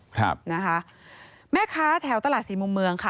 ครับนะคะแม่ค้าแถวตลาดสี่มุมเมืองค่ะ